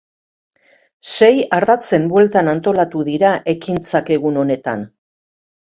Sei ardatzen bueltan antolatu dira ekintzak egun honetan.